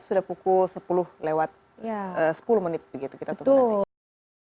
sudah pukul sepuluh lewat sepuluh menit begitu kita tunggu nanti